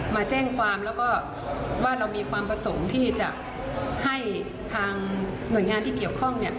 มาแจ้งความแล้วก็ว่าเรามีความประสงค์ที่จะให้ทางหน่วยงานที่เกี่ยวข้องเนี่ย